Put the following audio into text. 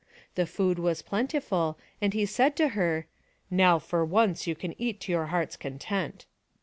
The food was plentiful and he said to her, " Now for once you can eat to your heart's content."